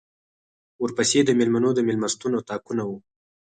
ورپسې د مېلمنو د مېلمستون اطاقونه و.